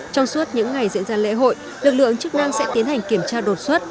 trong suốt những ngày diễn ra lễ hội lực lượng chức năng sẽ tiến hành kiểm tra đột xuất